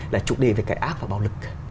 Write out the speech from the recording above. là chủ đề về cái ác và bạo lực